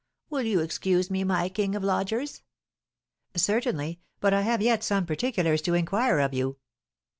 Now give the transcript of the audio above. Will you excuse me, my king of lodgers?" "Certainly; but I have yet some particulars to inquire of you."